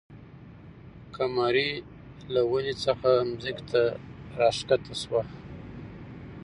قمري له ونې څخه ځمکې ته راښکته شوه.